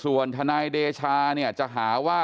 เพราะทนายอันนันชายชายเดชาบอกว่าจะเป็นการเอาคืนยังไง